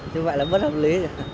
thế vậy là bất hợp lý